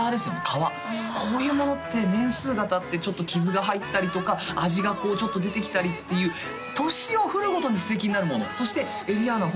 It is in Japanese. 革こういうものって年数がたって傷が入ったりとか味がこうちょっと出てきたりっていう年をふるごとに素敵になるものそしてエリアーナ